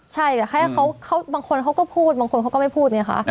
ใช่แต่บางคนเขาก็พูดบางคนเขาก็ไม่พูดเนี่ยค่ะ